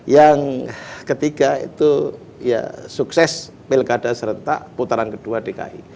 yang ketiga itu ya sukses pilkada serentak putaran kedua dki